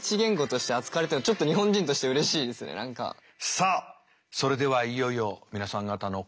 さあそれではいよいよ皆さん方の答えをですね